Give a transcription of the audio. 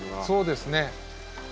そうですね。